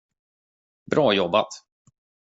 Bra jobbat!